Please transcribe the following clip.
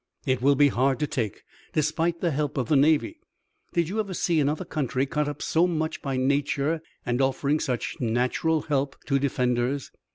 "It will be hard to take, despite the help of the navy. Did you ever see another country cut up so much by nature and offering such natural help to defenders?"